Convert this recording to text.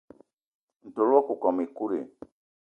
Ntol wakokóm ekut i?